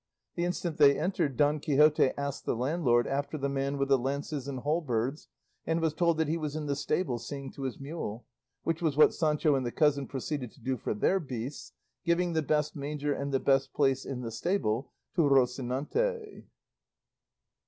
The instant they entered Don Quixote asked the landlord after the man with the lances and halberds, and was told that he was in the stable seeing to his mule; which was what Sancho and the cousin proceeded to do for their beasts, giving the best manger and the best place in the stable to Rocinante.